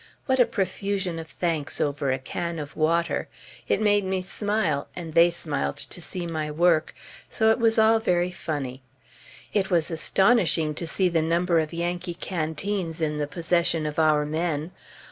What a profusion of thanks over a can of water! It made me smile, and they smiled to see my work, so it was all very funny. It was astonishing to see the number of Yankee canteens in the possession of our men.